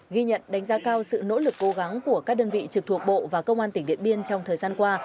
ghi nhận đánh giá cao sự nỗ lực cố gắng của các đơn vị trực thuộc bộ và công an tỉnh điện biên trong thời gian qua